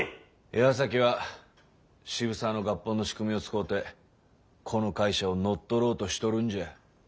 岩崎は渋沢の合本の仕組みを使うてこの会社を乗っ取ろうとしとるんじゃ。